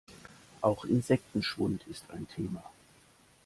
Auch Insektenschwund ist ein Thema.